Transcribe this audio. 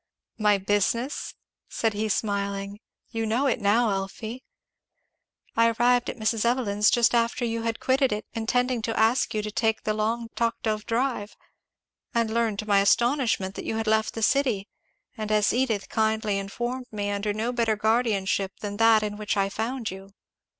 "My business?" said he smiling; "you know it now, Elfie. I arrived at Mrs. Evelyn's just after you had quitted it, intending to ask you to take the long talked of drive; and learned to my astonishment that you had left the city, and as Edith kindly informed me, under no better guardianship than that in which I found you.